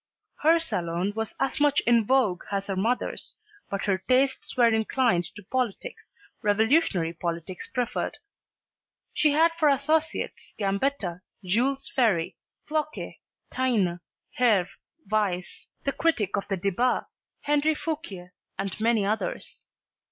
Her salon was as much in vogue as her mother's, but her tastes were inclined to politics, revolutionary politics preferred. She had for associates Gambetta, Jules Ferry, Floquet, Taine, Herve, Weiss, the critic of the "Debats," Henri Fouquier and many others.